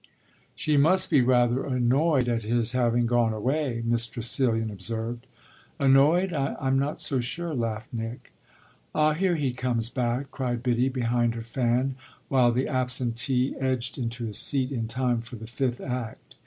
"She must be rather annoyed at his having gone away," Miss Tressilian observed. "Annoyed? I'm not so sure!" laughed Nick. "Ah here he comes back!" cried Biddy, behind her fan, while the absentee edged into his seat in time for the fifth act.